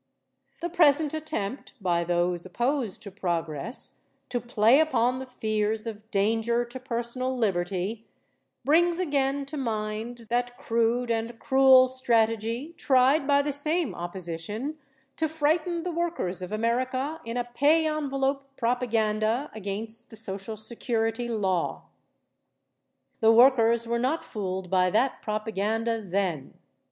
The present attempt by those opposed to progress to play upon the fears of danger to personal liberty brings again to mind that crude and cruel strategy tried by the same opposition to frighten the workers of America in a pay envelope propaganda against the Social Security Law. The workers were not fooled by that propaganda then.